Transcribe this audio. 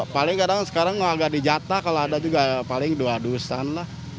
paling kadang sekarang agak dijata kalau ada juga paling dua dusan lah